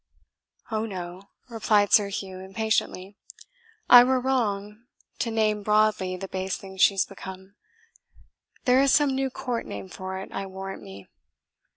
"Oh, no," replied Sir Hugh impatiently, "I were wrong to name broadly the base thing she is become there is some new court name for it, I warrant me.